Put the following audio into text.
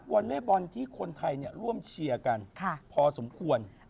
อลเล่บอลที่คนไทยร่วมเชียร์กันพอสมควร